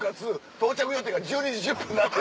到着予定が１２時１０分になった。